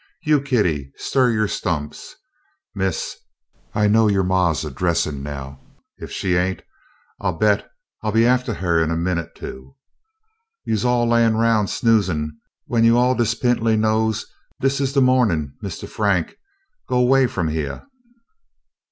You, Kitty, stir yo' stumps, miss. I know yo' ma 's a dressin' now. Ef she ain't, I bet I 'll be aftah huh in a minute, too. You all layin' 'roun', snoozin' w'en you all des' pint'ly know dis is de mo'nin' Mistah Frank go 'way f'om hyeah."